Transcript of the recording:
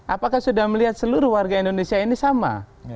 apakah sudah melihat seluruh warga indonesia ini sama